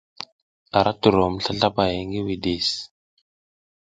A ra turom slaslapay ngi widis.